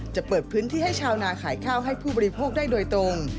จะเปิดพื้นที่ให้ชาวนาขายข้าวให้ผู้บริโภคได้โดยตรง